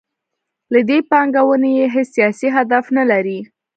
له دې پانګونې یې هیڅ سیاسي هدف نلري.